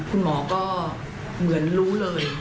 คุณหมอก็เหมือนรู้เลย